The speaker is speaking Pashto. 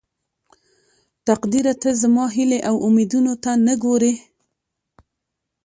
تقديره ته زما هيلې او اميدونه ته نه ګورې.